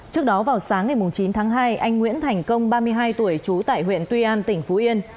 trước đó vào sáng ngày chín tháng hai anh nguyễn thành công ba mươi hai tuổi trú tại huyện tuy an tỉnh phú yên